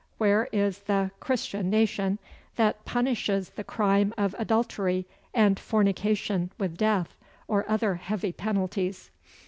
Where is the "Christian nation" that punishes the crime of adultery and fornication with death, or other heavy penalties?